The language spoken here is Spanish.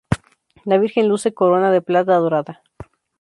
La Virgen luce corona de plata dorada.